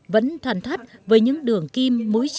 vẫn thuần thoát với những đường kim mũi trỉ